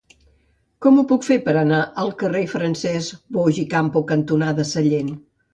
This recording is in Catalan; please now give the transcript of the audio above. Com ho puc fer per anar al carrer Francesc Boix i Campo cantonada Sallent?